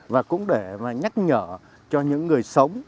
và cũng để nhắc nhở cho những người sống